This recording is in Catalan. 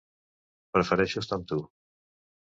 Prefereixo estar amb tu.